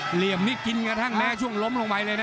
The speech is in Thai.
เหลี่ยมนี่กินกระทั่งแม้ช่วงล้มลงไปเลยนะ